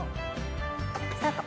スタート。